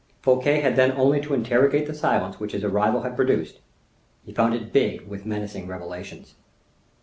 Fouquet had then only to interrogate the silence which his arrival had produced; he found it big with menacing revelations.